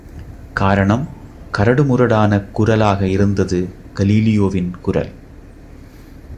காரணம், கரடுமுரடானக் குரலாக இருந்தது கலீலியோவின் குரல்!